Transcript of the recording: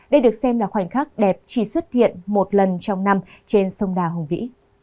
đây được xem là khoảnh khắc đẹp chỉ xuất hiện một lần trong năm trên sông đà hùng vĩ